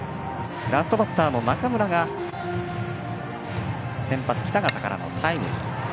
ラストバッターの中村が先発、北方からのタイムリー。